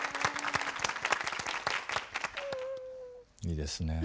いいですねえ。